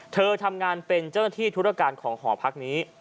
เธอทำงานเป็นเจ้าหน้าที่ธุรการของหอพักนี้